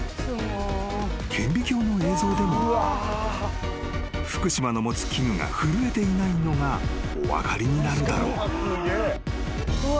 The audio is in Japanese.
［顕微鏡の映像でも福島の持つ器具が震えていないのがお分かりになるだろう］うわ。